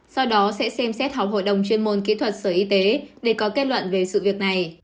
sau đó sẽ xem xét học hội đồng chuyên môn kỹ thuật sở y tế để có kết luận về sự việc này